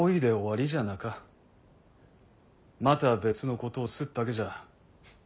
また別のことをすっだけじゃ。